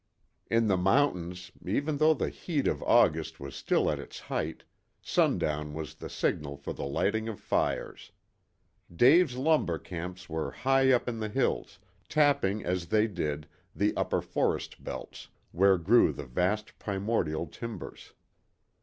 In the mountains, even though the heat of August was still at its height, sundown was the signal for the lighting of fires. Dave's lumber camps were high up in the hills, tapping, as they did, the upper forest belts, where grew the vast primordial timbers.